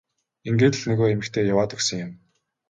Ингээд л нөгөө эмэгтэй яваад өгсөн юм.